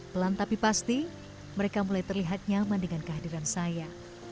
pelan tapi pasti mereka mulai terlihat nyaman dengan kehadiran saya